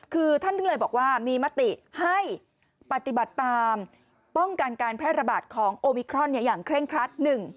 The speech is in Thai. คือท่านก็เลยบอกว่ามีมติให้ปฏิบัติตามป้องกันการแพร่ระบาดของโอมิครอนอย่างเคร่งครัด